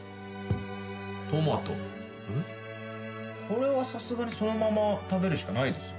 これはさすがにそのまま食べるしかないですよね。